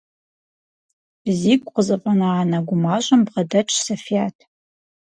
Зигу къызэфӀэна анэ гумащӀэм бгъэдэтщ Софят.